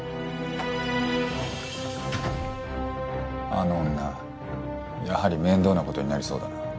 あの女やはり面倒なことになりそうだな。